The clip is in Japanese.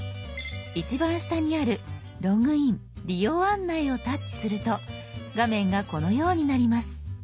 一番下にある「ログイン・利用案内」をタッチすると画面がこのようになります。